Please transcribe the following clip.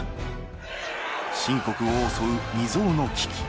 秦国を襲う未曽有の危機。